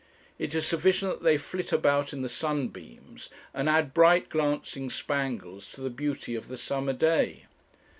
It is sufficient that they flit about in the sunbeams, and add bright glancing spangles to the beauty of the summer day.